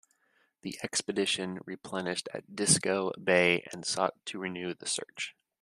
The expedition replenished at Disko Bay and sought to renew the search.